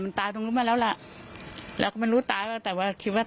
มันตายตรงแล้วละแล้วก็มันรู้ตายแล้วแต่ว่าคิดว่า